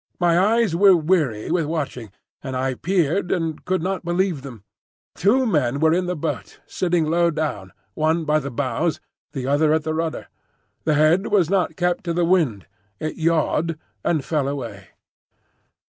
My eyes were weary with watching, and I peered and could not believe them. Two men were in the boat, sitting low down,—one by the bows, the other at the rudder. The head was not kept to the wind; it yawed and fell away.